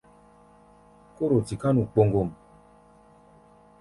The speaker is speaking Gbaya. Kóro tiká nu kpoŋgom.